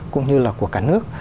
cũng như là của cả nước